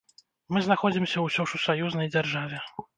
Мы знаходзімся ўсё ж у саюзнай дзяржаве.